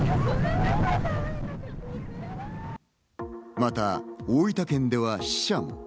また大分県では死者も。